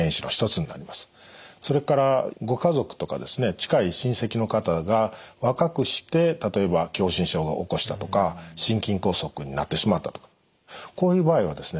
近い親戚の方が若くして例えば狭心症を起こしたとか心筋梗塞になってしまったとかこういう場合はですね